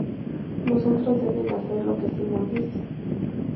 Los otros deben hacer lo que Simón dice.